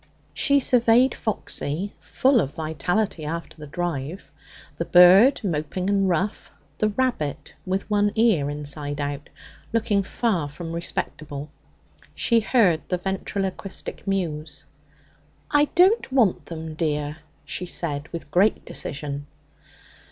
She surveyed Foxy, full of vitality after the drive; the bird, moping and rough; the rabbit, with one ear inside out, looking far from respectable. She heard the ventriloquistic mews. 'I don't want them, dear,' she said with great decision.